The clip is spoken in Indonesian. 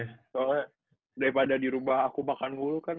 soalnya daripada di rumah aku makan mulu kan